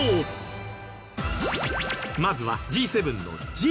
まずはＧ７の「Ｇ」